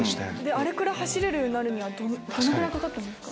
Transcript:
あれくらい走れるようになるにはどのぐらいかかったんですか？